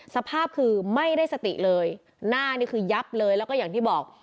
สภาพคือไม่ได้สติเลยหน้านี่คือยับเลยแล้วก็อย่างที่บอก